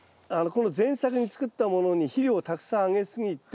この前作に作ったものに肥料をたくさんあげすぎて。